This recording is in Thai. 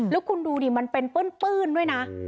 แล้วคุณดูดิมันเป็นปื้นด้วยนะ